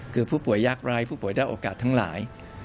คือผู้ป่วยยากไร้ผู้ป่วยได้โอกาสทั้งหลาย